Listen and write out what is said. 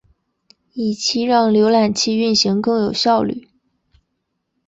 以期让浏览器运行更有效率。